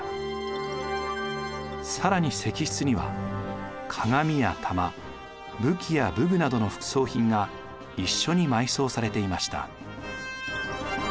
更に石室には鏡や玉武器や武具などの副葬品が一緒に埋葬されていました。